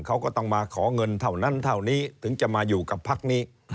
เขาก็ต้องมาขอเงินเท่านั้นเท่านี้ถึงจะมาอยู่กับพักนี้